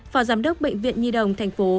phò giám đốc bệnh viện nhi đồng thành phố